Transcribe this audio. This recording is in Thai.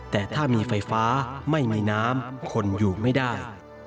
แต่ถ้ามีไฟฟ้าไม่มีน้ำคนอยู่ไม่ได้